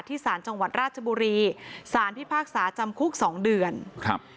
สารจังหวัดราชบุรีสารพิพากษาจำคุกสองเดือนครับ